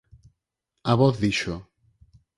A voz dixo: